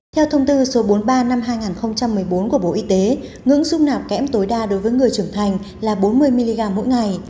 theo thông tư số bốn mươi ba năm hai nghìn một mươi bốn của bộ y tế ngưỡng giúp nạp kém tối đa đối với người trưởng thành là bốn mươi mg mỗi ngày